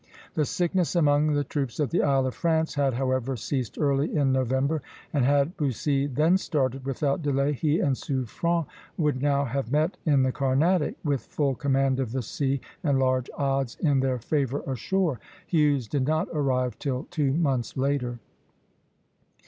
The sickness among the troops at the Isle of France had, however, ceased early in November; and had Bussy then started without delay, he and Suffren would now have met in the Carnatic, with full command of the sea and large odds in their favor ashore. Hughes did not arrive till two months later.